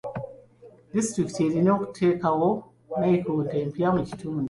Disitulikiti erina okuteekawo nayikondo empya mu kitundu.